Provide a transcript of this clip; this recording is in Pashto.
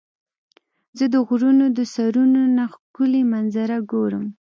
زه د غرونو د سرونو نه ښکلي منظره ګورم.